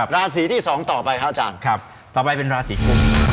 ราศีที่๒ต่อไปฮ่าวจัง